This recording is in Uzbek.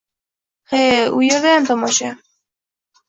He, u yerdayam tomosha!